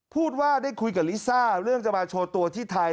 พูดว่าได้คุยกับลิซ่าเรื่องจะมาโชว์ตัวที่ไทย